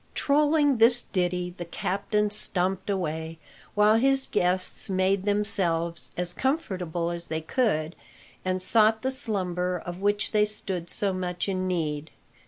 Trolling this ditty, the captain stumped away, while his guests made themselves as comfortable as they could, and sought the slumber of which they stood so much in need.